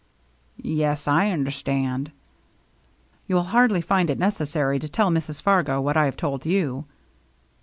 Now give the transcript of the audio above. "Yes, I understand." " You'll hardly find it necessary to tell Mrs. Fargo what I have told you."